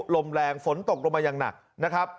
ลมแรงฝนตกลงมาอย่างหนักนะครับ